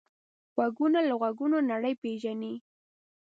غوږونه له غږونو نړۍ پېژني